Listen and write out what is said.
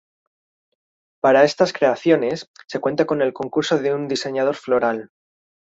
Para estas creaciones, se cuenta con el concurso de un diseñador floral.